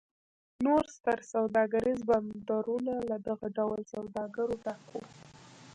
نور ستر سوداګریز بندرونه له دغه ډول سوداګرو ډک و.